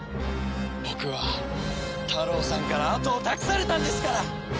僕はタロウさんから後を託されたんですから！